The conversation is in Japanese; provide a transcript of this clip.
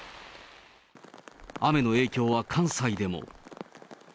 雨の影響は関西でも。